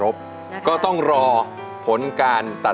โชคชะตาโชคชะตา